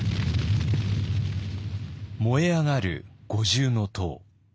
燃え上がる五重塔。